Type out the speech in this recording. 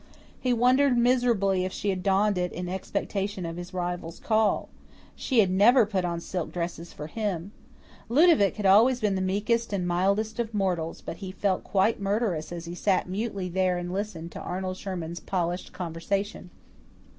He wondered miserably if she had donned it in expectation of his rival's call. She had never put on silk dresses for him. Ludovic had always been the meekest and mildest of mortals, but he felt quite murderous as he sat mutely there and listened to Arnold Sherman's polished conversation.